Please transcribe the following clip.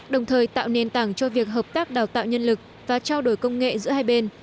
đồng thời tạo nền tảng cho việc hợp tác đào tạo nhân lực và trao đổi công nghệ giữa hai bên